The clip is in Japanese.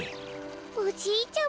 おじいちゃま。